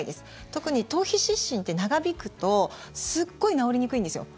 特に頭皮湿疹って、長引くとすごい治りにくいんですよ。